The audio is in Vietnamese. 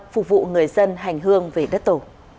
phục vụ người dân hành hương về đất tổ